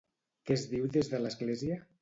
Què es diu des de l'església?